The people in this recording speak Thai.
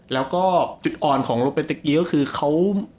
แล้วก็จุดอ่อนของรถเป็นตะกี้ก็คือเขา